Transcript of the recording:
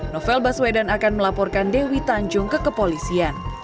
novel baswedan akan melaporkan dewi tanjung ke kepolisian